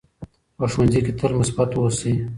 په ښوونځي کې تل مثبت اوسئ.